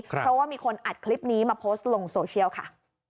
เพราะว่ามีคนอัดคลิปนี้มาโพสต์ลงโซเชียลค่ะ